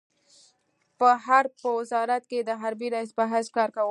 په حرب په وزارت کې د حربي رئيس په حیث کار کاوه.